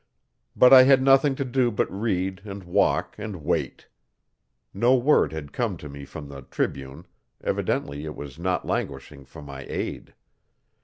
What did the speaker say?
But I had nothing to do but read and walk and wait. No word had come to me from the 'Tribune' evidently it was not languishing for my aid.